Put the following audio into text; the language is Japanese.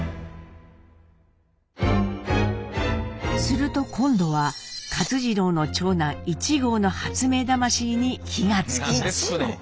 すると今度は勝次郎の長男壹号の発明魂に火が付きます！